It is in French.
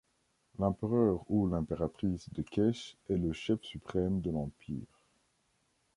L'Empereur ou l'Impératrice de Kesh est le chef suprême de l'Empire.